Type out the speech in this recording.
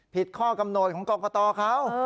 ผิดข้อกำหนดของกรกฎาตอเขา